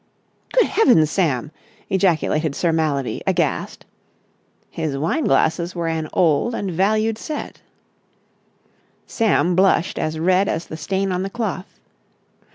"Good heavens, Sam!" ejaculated Sir Mallaby, aghast. His wine glasses were an old and valued set. Sam blushed as red as the stain on the cloth.